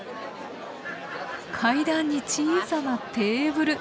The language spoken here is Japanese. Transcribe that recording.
階段に小さなテーブル。